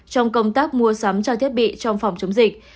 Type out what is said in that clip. trong công tác mua sắm trang thiết bị trong phòng chống dịch